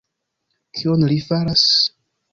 Kion li faras...?